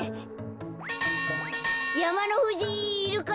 やまのふじいるか？